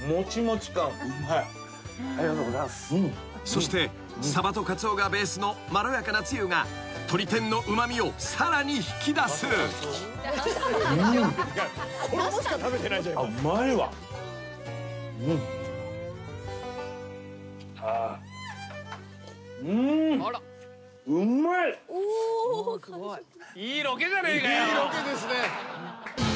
［そしてサバとカツオがベースのまろやかなつゆが鶏天のうま味をさらに引き出す］いいロケですね。